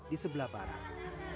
di sebelah barang